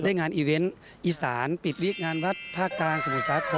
ได้งานอีเว้นต์อีสานปิดวิทย์งานวัดภาคกลางสมุทรศาสตร์ธรรม